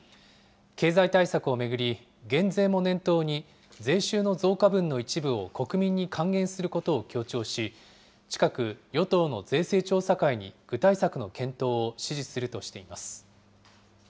経済対策を巡り、減税も念頭に、税収の増加分の一部を国民に還元することを強調し、近く与党の税制調査会に具体策の検討を指示するとしています。